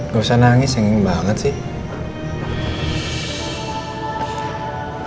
gak usah nangis sering banget sih